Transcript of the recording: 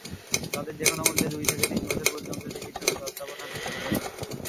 তাঁদের যেকোনো মূল্যে দুই থেকে তিন বছর পর্যন্ত চিকিৎসকের তত্ত্বাবধানে থাকতে হবে।